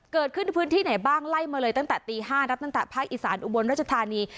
เกิดขึ้นพื้นที่ไหนบ้างไล่มาเลยตั้งแต่ตี๕นับตั้งแต่ภาคอีสานอุบลรัชธานี